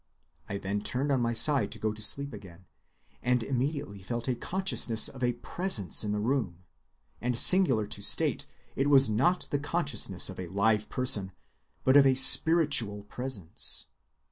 I then turned on my side to go to sleep again, and immediately felt a consciousness of a presence in the room, and singular to state, it was not the consciousness of a live person, but of a spiritual presence.